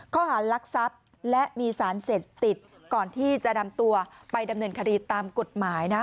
ข้อหารลักทรัพย์และมีสารเสพติดก่อนที่จะนำตัวไปดำเนินคดีตามกฎหมายนะ